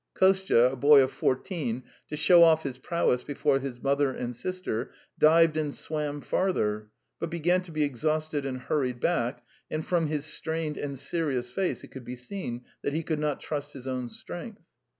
Kostya, a boy of fourteen, to show off his prowess before his mother and sister, dived and swam farther, but began to be exhausted and hurried back, and from his strained and serious face it could be seen that he could not trust his own strength.